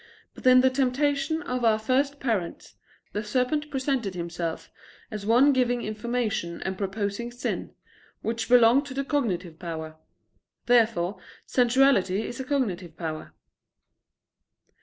But in the temptation of our first parents, the serpent presented himself as one giving information and proposing sin, which belong to the cognitive power. Therefore sensuality is a cognitive power.